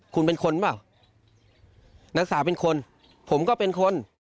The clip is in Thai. คุณเป็นคนเปล่านักศึกษาเป็นคนผมก็เป็นคน